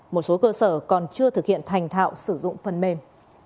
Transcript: một số cơ sở còn chưa thực hiện thành thạo sử dụng phần mềm